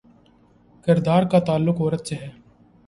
کردار کا تعلق عورت سے ہے۔